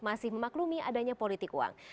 masih memaklumi adanya politik uang